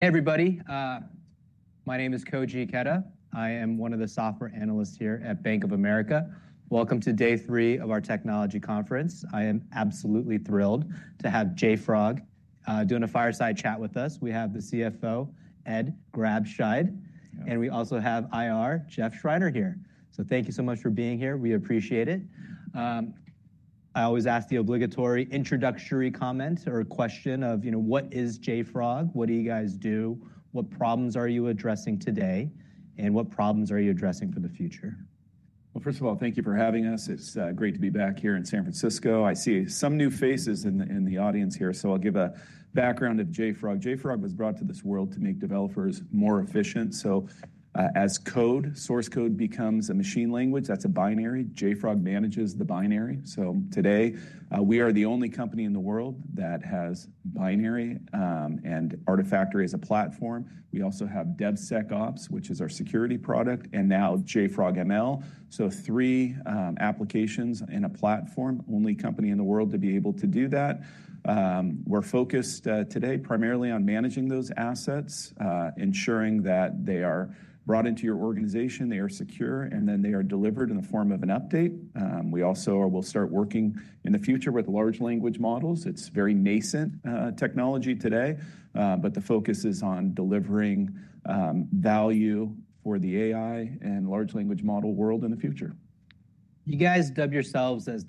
Hey, everybody. My name is Koji Ikeda. I am one of the software analysts here at Bank of America. Welcome to day three of our technology conference. I am absolutely thrilled to have JFrog doing a fireside chat with us. We have the CFO, Ed Grabscheid, and we also have IR, Jeff Schreiner, here. Thank you so much for being here. We appreciate it. I always ask the obligatory introductory comment or question of, you know, what is JFrog? What do you guys do? What problems are you addressing today? What problems are you addressing for the future? First of all, thank you for having us. It's great to be back here in San Francisco. I see some new faces in the audience here, so I'll give a background of JFrog. JFrog was brought to this world to make developers more efficient. As code, source code becomes a machine language, that's a binary. JFrog manages the binary. Today, we are the only company in the world that has binary and Artifactory as a platform. We also have DevSecOps, which is our security product, and now JFrog ML. Three applications and a platform, only company in the world to be able to do that. We're focused today primarily on managing those assets, ensuring that they are brought into your organization, they are secure, and then they are delivered in the form of an update. We also will start working in the future with large language models. It's very nascent technology today, but the focus is on delivering value for the AI and large language model world in the future. You guys dub yourselves as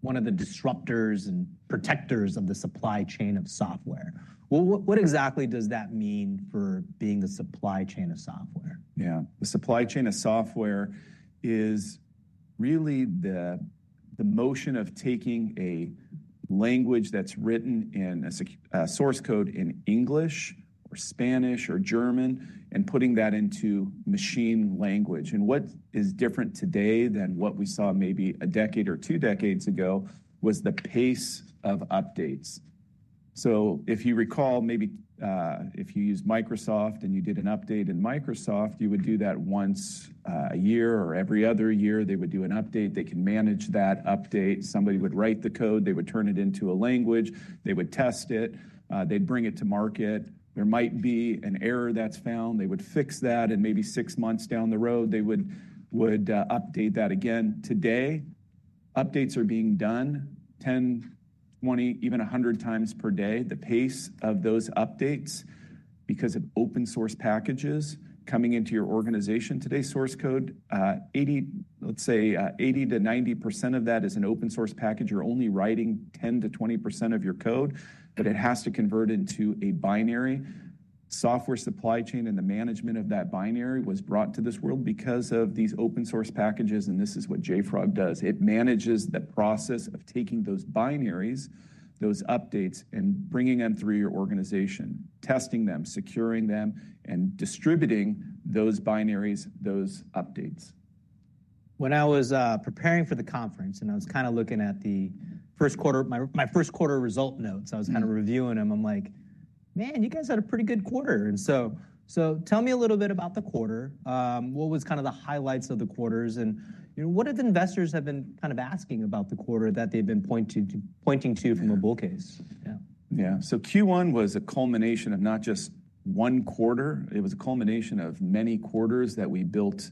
one of the disruptors and protectors of the supply chain of software. What exactly does that mean for being the supply chain of software? Yeah, the supply chain of software is really the motion of taking a language that's written in source code in English or Spanish or German and putting that into machine language. What is different today than what we saw maybe a decade or two decades ago was the pace of updates. If you recall, maybe if you used Microsoft and you did an update in Microsoft, you would do that once a year or every other year. They would do an update. They can manage that update. Somebody would write the code. They would turn it into a language. They would test it. They'd bring it to market. There might be an error that's found. They would fix that. Maybe six months down the road, they would update that again. Today, updates are being done 10, 20, even 100 times per day. The pace of those updates, because of open source packages coming into your organization today, source code, let's say 80-90% of that is an open source package. You're only writing 10-20% of your code, but it has to convert into a binary. Software supply chain and the management of that binary was brought to this world because of these open source packages. This is what JFrog does. It manages the process of taking those binaries, those updates, and bringing them through your organization, testing them, securing them, and distributing those binaries, those updates. When I was preparing for the conference and I was kind of looking at the first quarter, my first quarter result notes, I was kind of reviewing them. I'm like, man, you guys had a pretty good quarter. Tell me a little bit about the quarter. What was kind of the highlights of the quarters? What have investors been kind of asking about the quarter that they've been pointing to from a bull case? Yeah, Q1 was a culmination of not just one quarter. It was a culmination of many quarters that we built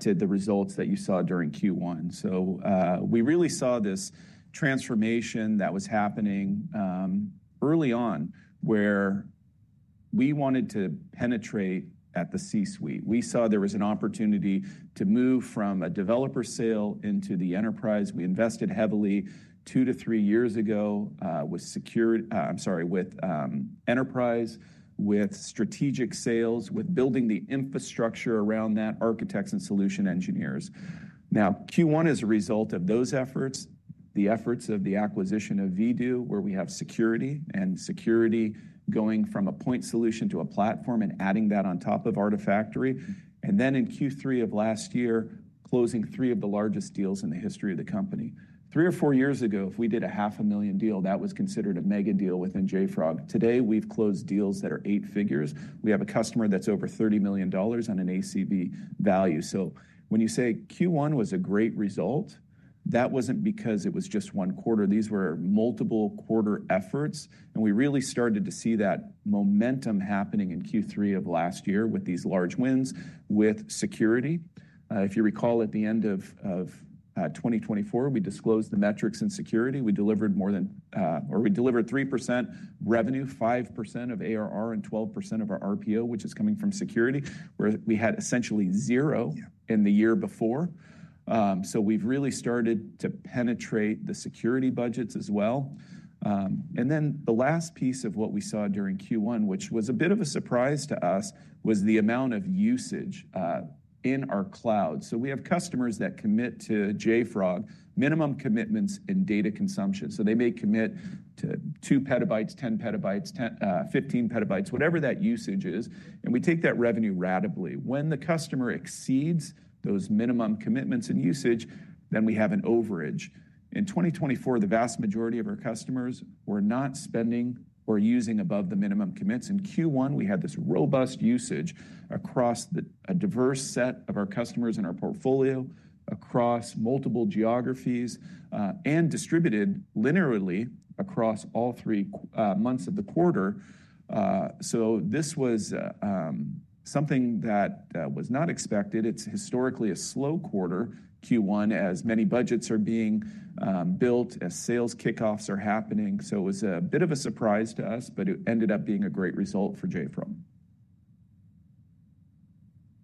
to the results that you saw during Q1. We really saw this transformation that was happening early on where we wanted to penetrate at the C-suite. We saw there was an opportunity to move from a developer sale into the enterprise. We invested heavily two to three years ago with secure, I'm sorry, with enterprise, with strategic sales, with building the infrastructure around that, architects and solution engineers. Now, Q1 is a result of those efforts, the efforts of the acquisition of Vdoo, where we have security and security going from a point solution to a platform and adding that on top of Artifactory. In Q3 of last year, closing three of the largest deals in the history of the company. Three or four years ago, if we did a $500,000 deal, that was considered a megadeal within JFrog. Today, we've closed deals that are eight figures. We have a customer that's over $30 million on an ACV value. When you say Q1 was a great result, that wasn't because it was just one quarter. These were multiple quarter efforts. We really started to see that momentum happening in Q3 of last year with these large wins with security. If you recall, at the end of 2024, we disclosed the metrics in security. We delivered more than, or we delivered 3% revenue, 5% of ARR, and 12% of our RPO, which is coming from security, where we had essentially zero in the year before. We've really started to penetrate the security budgets as well. The last piece of what we saw during Q1, which was a bit of a surprise to us, was the amount of usage in our cloud. We have customers that commit to JFrog minimum commitments in data consumption. They may commit to 2 PB, 10 PB, 15 PB, whatever that usage is. We take that revenue radically. When the customer exceeds those minimum commitments in usage, then we have an overage. In 2024, the vast majority of our customers were not spending or using above the minimum commits. In Q1, we had this robust usage across a diverse set of our customers in our portfolio, across multiple geographies, and distributed linearly across all three months of the quarter. This was something that was not expected. It is historically a slow quarter, Q1, as many budgets are being built, as sales kickoffs are happening. It was a bit of a surprise to us, but it ended up being a great result for JFrog.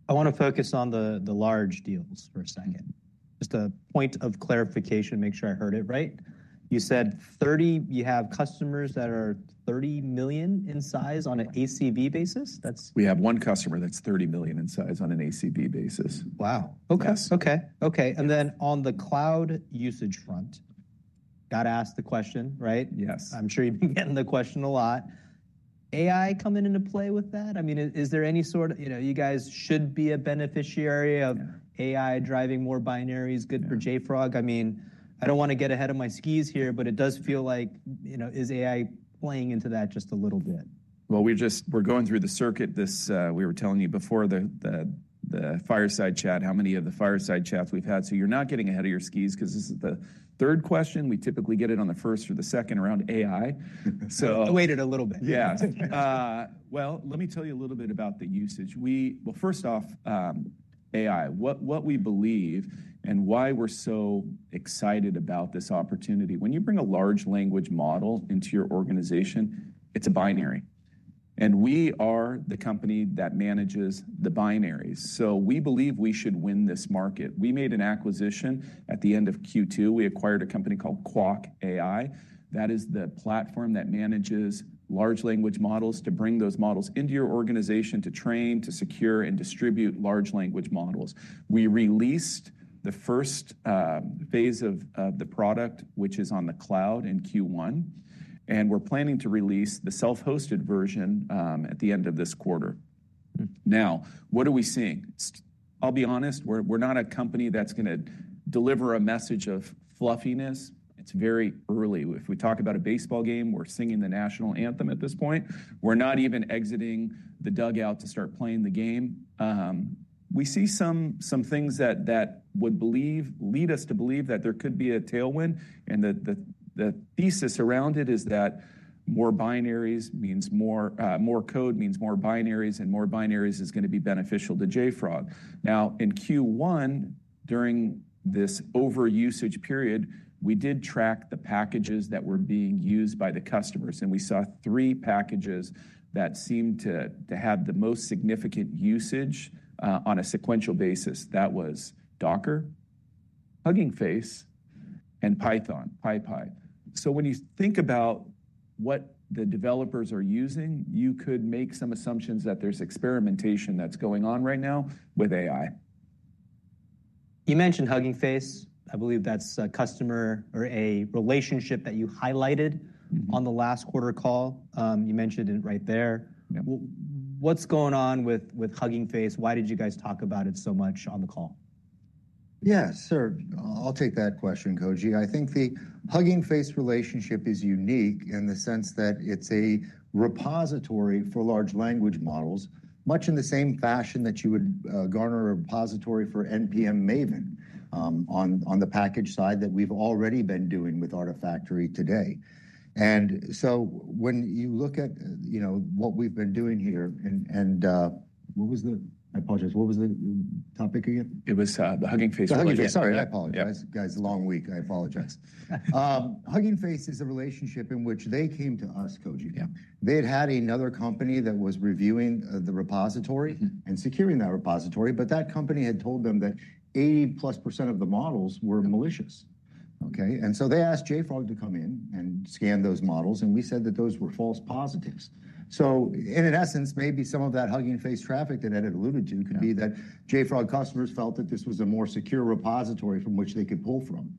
I want to focus on the large deals for a second. Just a point of clarification, make sure I heard it right. You said 30, you have customers that are $30 million in size on an ACV basis? We have one customer that's $30 million in size on an ACV basis. Wow. Okay. Okay. And then on the cloud usage front, got to ask the question, right? Yes. I'm sure you've been getting the question a lot. AI coming into play with that? I mean, is there any sort of, you know, you guys should be a beneficiary of AI driving more binaries, good for JFrog? I mean, I don't want to get ahead of my skis here, but it does feel like, you know, is AI playing into that just a little bit? We're just, we're going through the circuit this, we were telling you before the fireside chat, how many of the fireside chats we've had. You're not getting ahead of your skis because this is the third question. We typically get it on the first or the second around AI. I waited a little bit. Yeah. Let me tell you a little bit about the usage. First off, AI, what we believe and why we're so excited about this opportunity, when you bring a large language model into your organization, it's a binary. We are the company that manages the binaries. We believe we should win this market. We made an acquisition at the end of Q2. We acquired a company called Qwak AI. That is the platform that manages large language models to bring those models into your organization to train, to secure, and distribute large language models. We released the first phase of the product, which is on the cloud in Q1. We're planning to release the self-hosted version at the end of this quarter. Now, what are we seeing? I'll be honest, we're not a company that's going to deliver a message of fluffiness. It's very early. If we talk about a baseball game, we're singing the national anthem at this point. We're not even exiting the dugout to start playing the game. We see some things that would lead us to believe that there could be a tailwind. The thesis around it is that more binaries means more code means more binaries, and more binaries is going to be beneficial to JFrog. Now, in Q1, during this overusage period, we did track the packages that were being used by the customers. We saw three packages that seemed to have the most significant usage on a sequential basis. That was Docker, Hugging Face, and Python, PyPI. When you think about what the developers are using, you could make some assumptions that there's experimentation that's going on right now with AI. You mentioned Hugging Face. I believe that's a customer or a relationship that you highlighted on the last quarter call. You mentioned it right there. What's going on with Hugging Face? Why did you guys talk about it so much on the call? Yeah, sure. I'll take that question, Koji. I think the Hugging Face relationship is unique in the sense that it's a repository for large language models, much in the same fashion that you would garner a repository for NPM Maven on the package side that we've already been doing with Artifactory today. When you look at what we've been doing here, and what was the, I apologize, what was the topic again? It was the Hugging Face. Hugging Face. Sorry, I apologize. Guys, long week. I apologize. Hugging Face is a relationship in which they came to us, Koji. They had had another company that was reviewing the repository and securing that repository, but that company had told them that 80+% of the models were malicious. Okay? They asked JFrog to come in and scan those models, and we said that those were false positives. In essence, maybe some of that Hugging Face traffic that Ed had alluded to could be that JFrog customers felt that this was a more secure repository from which they could pull from.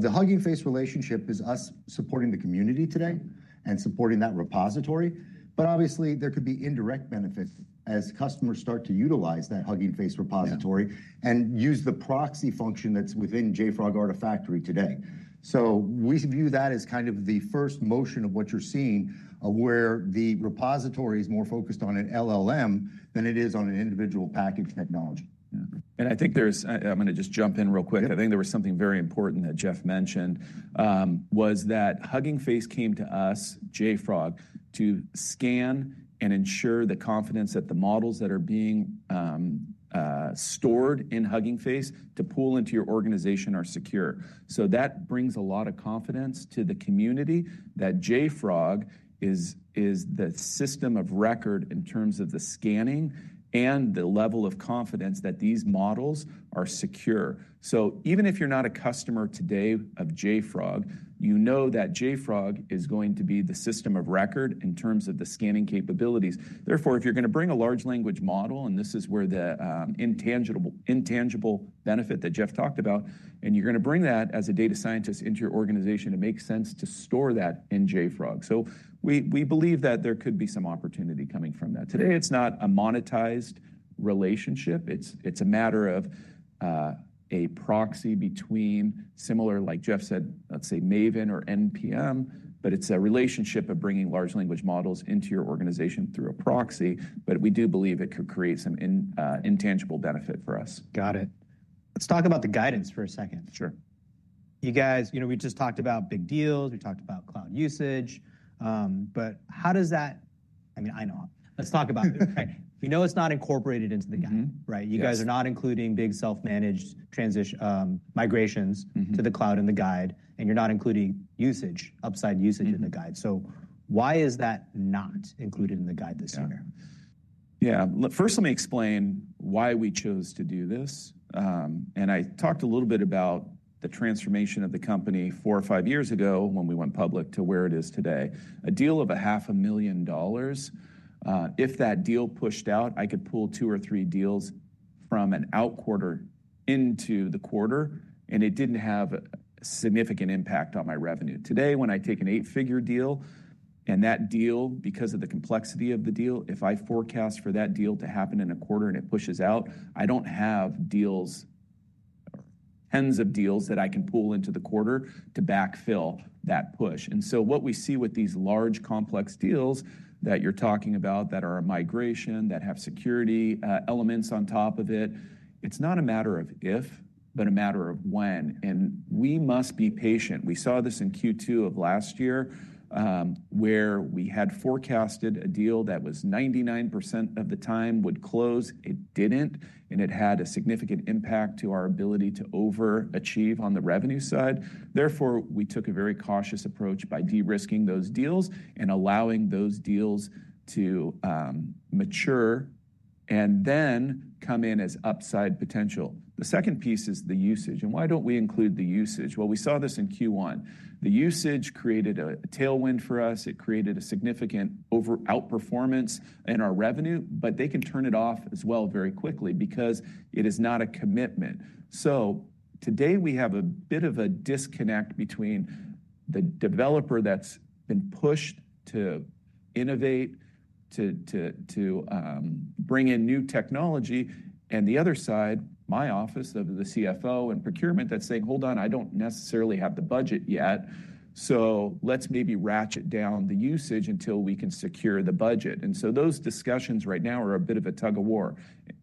The Hugging Face relationship is us supporting the community today and supporting that repository. Obviously, there could be indirect benefits as customers start to utilize that Hugging Face repository and use the proxy function that's within JFrog Artifactory today. We view that as kind of the first motion of what you're seeing, where the repository is more focused on an LLM than it is on an individual package technology. I think there's, I'm going to just jump in real quick. I think there was something very important that Jeff mentioned, was that Hugging Face came to us, JFrog, to scan and ensure the confidence that the models that are being stored in Hugging Face to pull into your organization are secure. That brings a lot of confidence to the community that JFrog is the system of record in terms of the scanning and the level of confidence that these models are secure. Even if you're not a customer today of JFrog, you know that JFrog is going to be the system of record in terms of the scanning capabilities. Therefore, if you're going to bring a large language model, and this is where the intangible benefit that Jeff talked about, and you're going to bring that as a data scientist into your organization, it makes sense to store that in JFrog. We believe that there could be some opportunity coming from that. Today, it's not a monetized relationship. It's a matter of a proxy between similar, like Jeff said, let's say Maven or NPM, but it's a relationship of bringing large language models into your organization through a proxy. We do believe it could create some intangible benefit for us. Got it. Let's talk about the guidance for a second. Sure. You guys, you know, we just talked about big deals. We talked about cloud usage. How does that, I mean, I know. Let's talk about it. We know it's not incorporated into the guide, right? You guys are not including big self-managed migrations to the cloud in the guide, and you're not including usage, upside usage in the guide. Why is that not included in the guide this year? Yeah. First, let me explain why we chose to do this. I talked a little bit about the transformation of the company four or five years ago when we went public to where it is today. A deal of $500,000, if that deal pushed out, I could pull two or three deals from an out quarter into the quarter, and it did not have a significant impact on my revenue. Today, when I take an eight-figure deal, and that deal, because of the complexity of the deal, if I forecast for that deal to happen in a quarter and it pushes out, I do not have tens of deals that I can pull into the quarter to backfill that push. What we see with these large complex deals that you're talking about that are a migration, that have security elements on top of it, it's not a matter of if, but a matter of when. We must be patient. We saw this in Q2 of last year, where we had forecasted a deal that was 99% of the time would close. It did not. It had a significant impact to our ability to overachieve on the revenue side. Therefore, we took a very cautious approach by de-risking those deals and allowing those deals to mature and then come in as upside potential. The second piece is the usage. Why do we not include the usage? We saw this in Q1. The usage created a tailwind for us. It created a significant outperformance in our revenue, but they can turn it off as well very quickly because it is not a commitment. Today, we have a bit of a disconnect between the developer that's been pushed to innovate, to bring in new technology, and the other side, my office of the CFO and procurement that's saying, "Hold on, I don't necessarily have the budget yet. Let's maybe ratchet down the usage until we can secure the budget." Those discussions right now are a bit of a tug of war.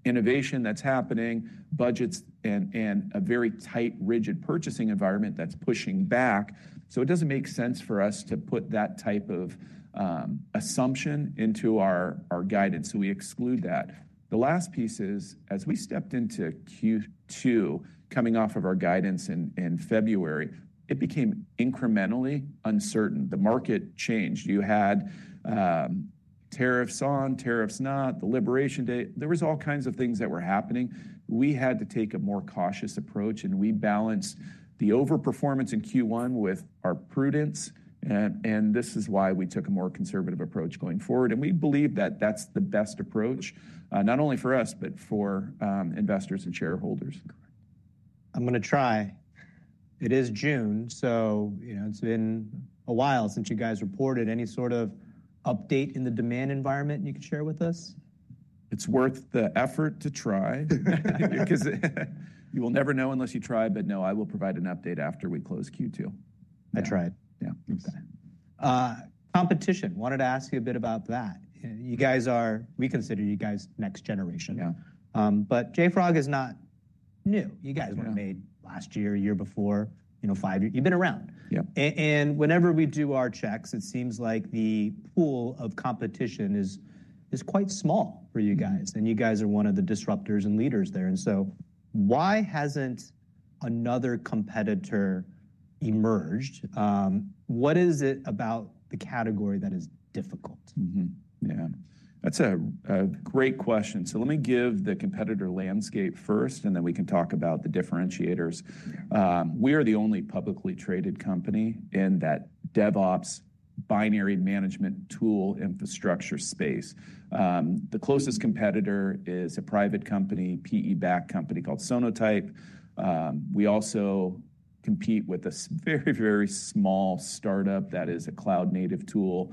Innovation that's happening, budgets, and a very tight, rigid purchasing environment that's pushing back. It doesn't make sense for us to put that type of assumption into our guidance. We exclude that. The last piece is, as we stepped into Q2, coming off of our guidance in February, it became incrementally uncertain. The market changed. You had tariffs on, tariffs not, the Liberation Day. There were all kinds of things that were happening. We had to take a more cautious approach, and we balanced the overperformance in Q1 with our prudence. This is why we took a more conservative approach going forward. We believe that that's the best approach, not only for us, but for investors and shareholders. I'm going to try. It is June. You know, it's been a while since you guys reported any sort of update in the demand environment you could share with us. It's worth the effort to try because you will never know unless you try. No, I will provide an update after we close Q2. I tried. Yeah. Competition, wanted to ask you a bit about that. You guys are, we consider you guys next generation. But JFrog is not new. You guys were made last year, year before, you know, five years. You've been around. Whenever we do our checks, it seems like the pool of competition is quite small for you guys. You guys are one of the disruptors and leaders there. Why hasn't another competitor emerged? What is it about the category that is difficult? Yeah. That's a great question. Let me give the competitor landscape first, and then we can talk about the differentiators. We are the only publicly traded company in that DevOps binary management tool infrastructure space. The closest competitor is a private company, PE-backed company called Sonatype. We also compete with a very, very small startup that is a cloud-native tool.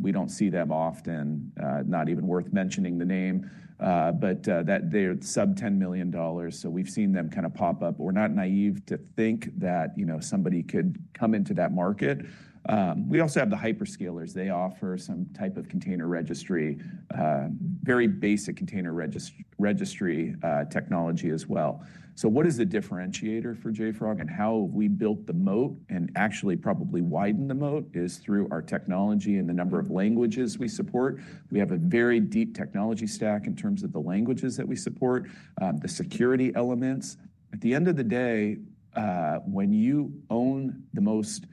We do not see them often, not even worth mentioning the name, but they are sub $10 million. We have seen them kind of pop up. We are not naive to think that, you know, somebody could come into that market. We also have the hyperscalers. They offer some type of container registry, very basic container registry technology as well. What is the differentiator for JFrog and how have we built the moat and actually probably widened the moat is through our technology and the number of languages we support. We have a very deep technology stack in terms of the languages that we support, the security elements. At the end of the day, when you own the most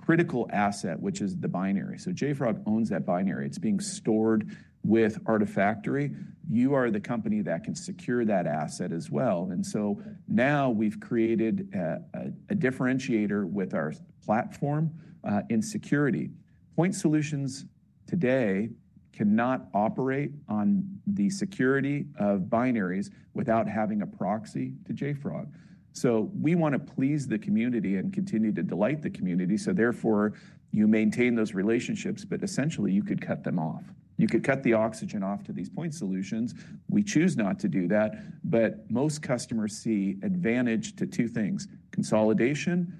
critical asset, which is the binary, so JFrog owns that binary, it's being stored with Artifactory, you are the company that can secure that asset as well. Now we've created a differentiator with our platform in security. Point solutions today cannot operate on the security of binaries without having a proxy to JFrog. We want to please the community and continue to delight the community. Therefore, you maintain those relationships, but essentially you could cut them off. You could cut the oxygen off to these point solutions. We choose not to do that, but most customers see advantage to two things: consolidation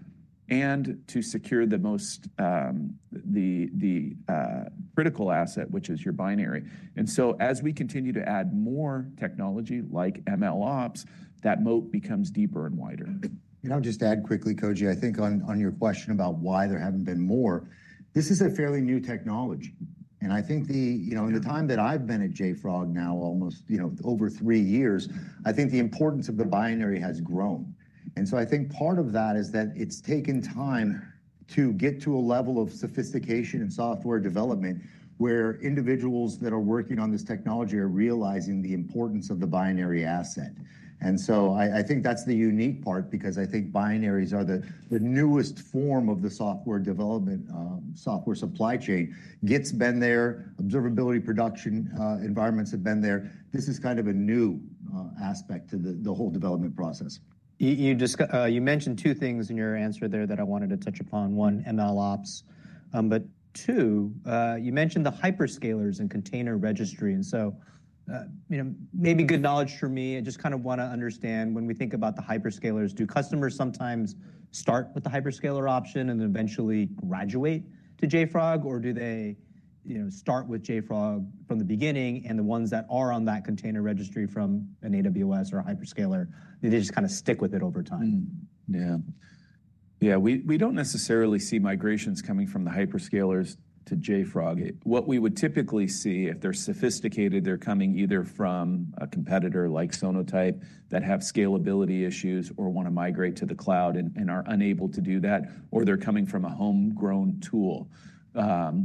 and to secure the most critical asset, which is your binary. As we continue to add more technology like MLOps, that moat becomes deeper and wider. Can I just add quickly, Koji, I think on your question about why there haven't been more, this is a fairly new technology. I think the, you know, in the time that I've been at JFrog now almost, you know, over three years, I think the importance of the binary has grown. I think part of that is that it's taken time to get to a level of sophistication in software development where individuals that are working on this technology are realizing the importance of the binary asset. I think that's the unique part because I think binaries are the newest form of the software development, software supply chain. Git's been there. Observability production environments have been there. This is kind of a new aspect to the whole development process. You mentioned two things in your answer there that I wanted to touch upon. One, MLOps. But two, you mentioned the hyperscalers and container registry. And so, you know, maybe good knowledge for me. I just kind of want to understand when we think about the hyperscalers, do customers sometimes start with the hyperscaler option and then eventually graduate to JFrog, or do they start with JFrog from the beginning and the ones that are on that container registry from an AWS or a hyperscaler, they just kind of stick with it over time? Yeah. Yeah, we do not necessarily see migrations coming from the hyperscalers to JFrog. What we would typically see, if they are sophisticated, they are coming either from a competitor like Sonatype that have scalability issues or want to migrate to the cloud and are unable to do that, or they are coming from a homegrown tool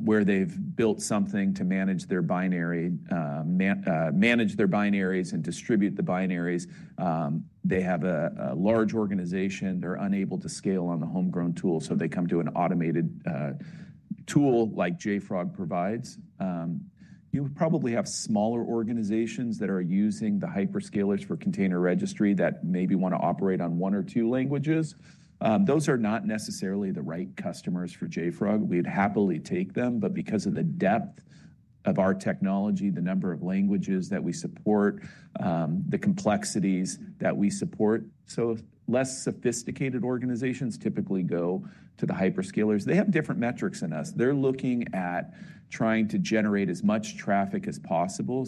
where they have built something to manage their binaries and distribute the binaries. They have a large organization. They are unable to scale on the homegrown tool. They come to an automated tool like JFrog provides. You probably have smaller organizations that are using the hyperscalers for container registry that maybe want to operate on one or two languages. Those are not necessarily the right customers for JFrog. We'd happily take them, but because of the depth of our technology, the number of languages that we support, the complexities that we support, less sophisticated organizations typically go to the hyperscalers. They have different metrics than us. They're looking at trying to generate as much traffic as possible.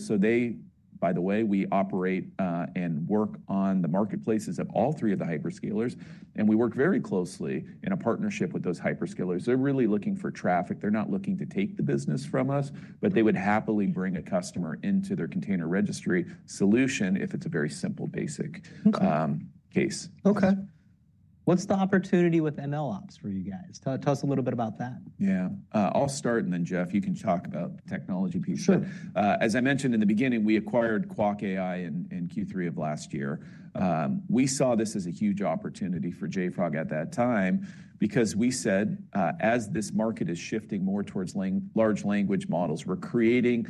By the way, we operate and work on the marketplaces of all three of the hyperscalers, and we work very closely in a partnership with those hyperscalers. They're really looking for traffic. They're not looking to take the business from us, but they would happily bring a customer into their container registry solution if it's a very simple, basic case. Okay. What's the opportunity with MLOps for you guys? Tell us a little bit about that. Yeah. I'll start and then Jeff, you can talk about the technology piece. Sure. As I mentioned in the beginning, we acquired Qwak AI in Q3 of last year. We saw this as a huge opportunity for JFrog at that time because we said, as this market is shifting more towards large language models, we're creating,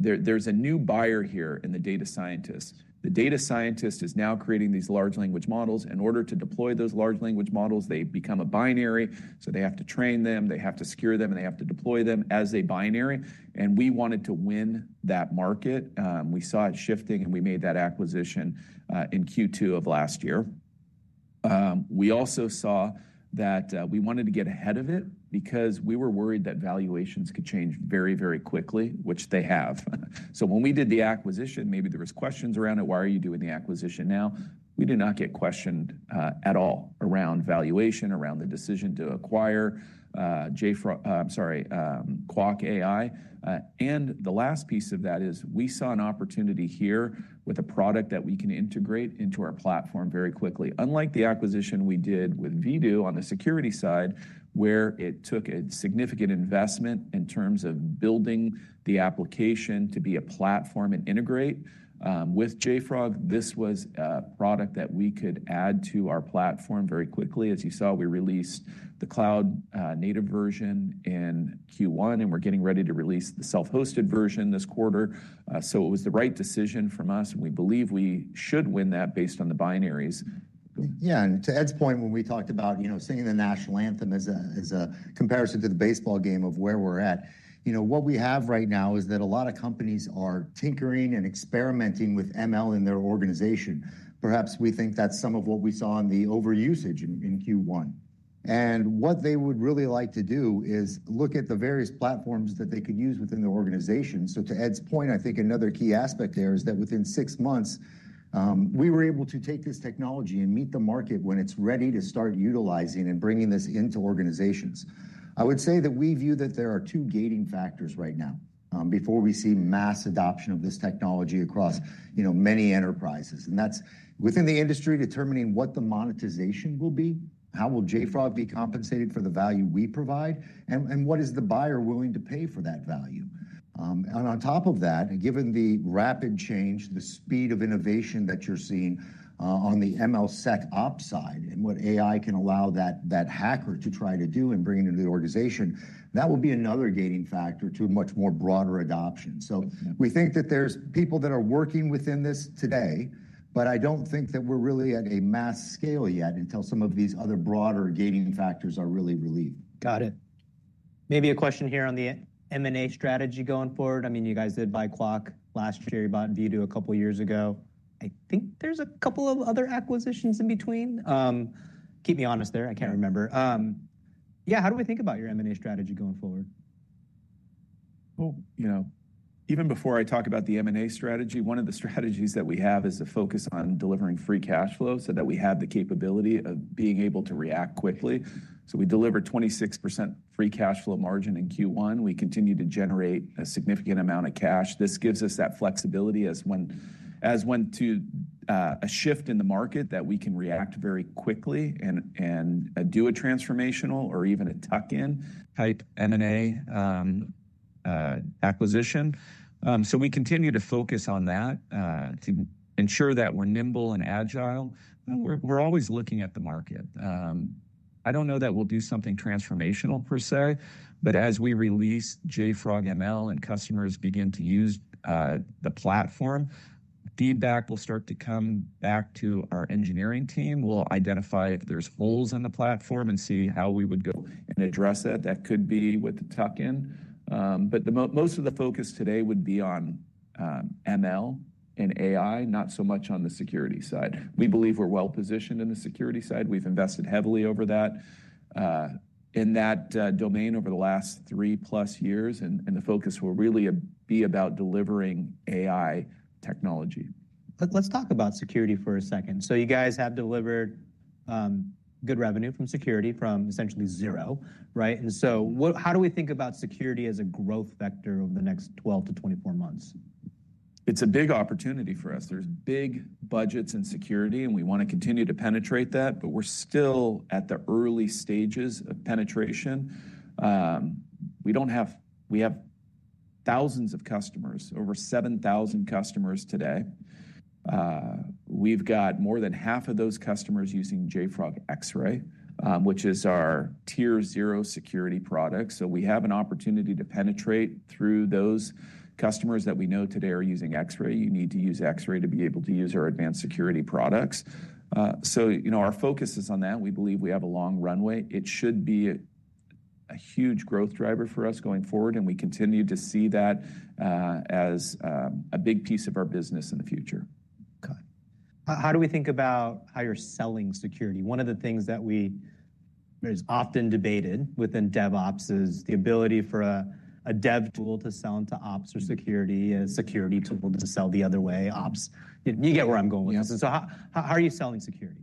there's a new buyer here in the data scientists. The data scientist is now creating these large language models. In order to deploy those large language models, they become a binary. They have to train them, they have to secure them, and they have to deploy them as a binary. We wanted to win that market. We saw it shifting, and we made that acquisition in Q2 of last year. We also saw that we wanted to get ahead of it because we were worried that valuations could change very, very quickly, which they have. When we did the acquisition, maybe there were questions around it. Why are you doing the acquisition now? We did not get questioned at all around valuation, around the decision to acquire JFrog, I'm sorry, Qwak AI. The last piece of that is we saw an opportunity here with a product that we can integrate into our platform very quickly. Unlike the acquisition we did with Vdoo on the security side, where it took a significant investment in terms of building the application to be a platform and integrate with JFrog, this was a product that we could add to our platform very quickly. As you saw, we released the cloud-native version in Q1, and we're getting ready to release the self-hosted version this quarter. It was the right decision from us, and we believe we should win that based on the binaries. Yeah. To Ed's point, when we talked about, you know, singing the national anthem as a comparison to the baseball game of where we're at, you know, what we have right now is that a lot of companies are tinkering and experimenting with ML in their organization. Perhaps we think that's some of what we saw in the overusage in Q1. What they would really like to do is look at the various platforms that they could use within their organization. To Ed's point, I think another key aspect there is that within six months, we were able to take this technology and meet the market when it's ready to start utilizing and bringing this into organizations. I would say that we view that there are two gating factors right now before we see mass adoption of this technology across, you know, many enterprises. That is within the industry determining what the monetization will be, how will JFrog be compensated for the value we provide, and what is the buyer willing to pay for that value. On top of that, given the rapid change, the speed of innovation that you're seeing on the MLSecOps side and what AI can allow that hacker to try to do and bring into the organization, that will be another gating factor to a much more broader adoption. We think that there's people that are working within this today, but I don't think that we're really at a mass scale yet until some of these other broader gating factors are really relieved. Got it. Maybe a question here on the M&A strategy going forward. I mean, you guys did buy Qwak last year, you bought Vdoo a couple of years ago. I think there's a couple of other acquisitions in between. Keep me honest there. I can't remember. Yeah. How do we think about your M&A strategy going forward? You know, even before I talk about the M&A strategy, one of the strategies that we have is to focus on delivering free cash flow so that we have the capability of being able to react quickly. We deliver 26% free cash flow margin in Q1. We continue to generate a significant amount of cash. This gives us that flexibility as when to a shift in the market that we can react very quickly and do a transformational or even a tuck-in. Type M&A acquisition. We continue to focus on that to ensure that we're nimble and agile. We're always looking at the market. I don't know that we'll do something transformational per se, but as we release JFrog ML and customers begin to use the platform, feedback will start to come back to our engineering team. We'll identify if there's holes in the platform and see how we would go and address that. That could be with the tuck-in. Most of the focus today would be on ML and AI, not so much on the security side. We believe we're well positioned in the security side. We've invested heavily in that domain over the last three plus years, and the focus will really be about delivering AI technology. Let's talk about security for a second. You guys have delivered good revenue from security from essentially zero, right? How do we think about security as a growth vector over the next 12 to 24 months? It's a big opportunity for us. There's big budgets in security, and we want to continue to penetrate that, but we're still at the early stages of penetration. We have thousands of customers, over 7,000 customers today. We've got more than half of those customers using JFrog Xray, which is our tier zero security product. We have an opportunity to penetrate through those customers that we know today are using Xray. You need to use Xray to be able to use our advanced security products. You know, our focus is on that. We believe we have a long runway. It should be a huge growth driver for us going forward, and we continue to see that as a big piece of our business in the future. Okay. How do we think about how you're selling security? One of the things that we have often debated within DevOps is the ability for a dev tool to sell into ops or security, a security tool to sell the other way, ops. You get where I'm going with this. How are you selling security?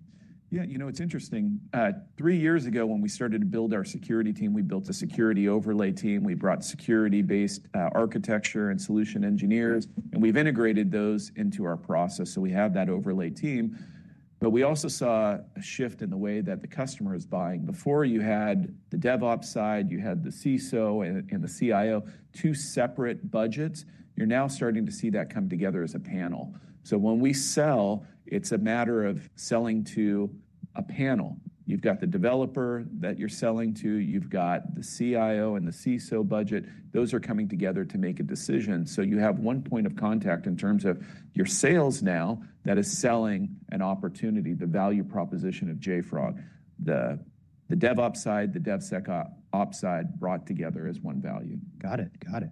Yeah, you know, it's interesting. Three years ago, when we started to build our security team, we built a security overlay team. We brought security-based architecture and solution engineers, and we've integrated those into our process. So we have that overlay team. We also saw a shift in the way that the customer is buying. Before you had the DevOps side, you had the CISO and the CIO, two separate budgets. You're now starting to see that come together as a panel. When we sell, it's a matter of selling to a panel. You've got the developer that you're selling to. You've got the CIO and the CISO budget. Those are coming together to make a decision. You have one point of contact in terms of your sales now that is selling an opportunity, the value proposition of JFrog. The DevOps side, the DevSecOps side brought together as one value. Got it. Got it.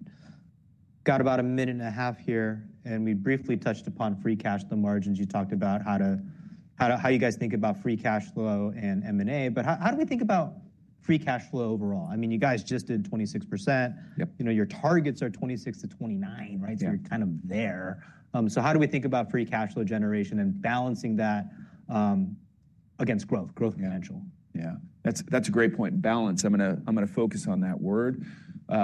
Got about a minute and a half here, and we briefly touched upon free cash flow margins. You talked about how you guys think about free cash flow and M&A, but how do we think about free cash flow overall? I mean, you guys just did 26%. You know, your targets are 26-29%, right? So you're kind of there. How do we think about free cash flow generation and balancing that against growth, growth potential? Yeah. That's a great point. Balance. I'm going to focus on that word.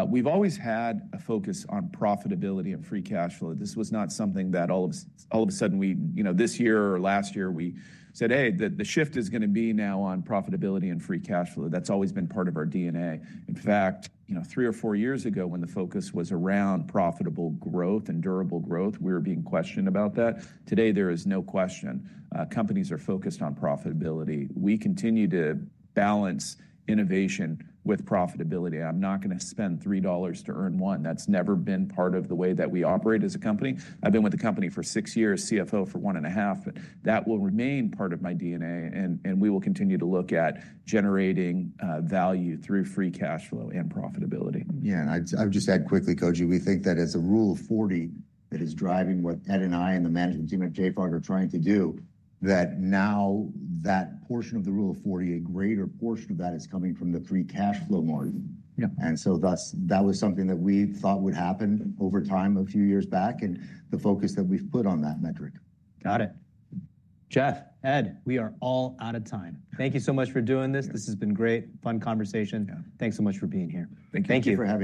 We've always had a focus on profitability and free cash flow. This was not something that all of a sudden we, you know, this year or last year, we said, "Hey, the shift is going to be now on profitability and free cash flow." That's always been part of our DNA. In fact, you know, three or four years ago, when the focus was around profitable growth and durable growth, we were being questioned about that. Today, there is no question. Companies are focused on profitability. We continue to balance innovation with profitability. I'm not going to spend $3 to earn $1. That's never been part of the way that we operate as a company. I've been with the company for six years, CFO for one and a half, but that will remain part of my DNA, and we will continue to look at generating value through free cash flow and profitability. Yeah. I would just add quickly, Koji, we think that as a Rule of 40 that is driving what Ed and I and the management team at JFrog are trying to do, that now that portion of the Rule of 40, a greater portion of that is coming from the free cash flow margin. Thus, that was something that we thought would happen over time a few years back and the focus that we've put on that metric. Got it. Jeff, Ed, we are all out of time. Thank you so much for doing this. This has been great, fun conversation. Thanks so much for being here. Thank you. Thank you for.